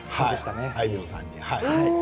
あいみょんさんに。